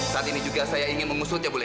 saat ini juga saya ingin mengusutnya boleh